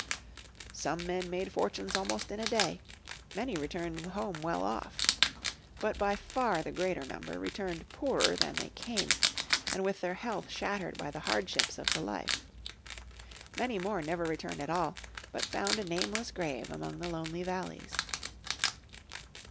Some men made fortunes almost in a day, many returned home well off. But by far the greater number returned poorer than they came, and with their health shattered by the hardships of the life. Many more never returned at all, but found a nameless grave among the lonely valleys.